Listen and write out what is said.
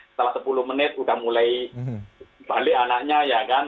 setelah sepuluh menit udah mulai balik anaknya ya kan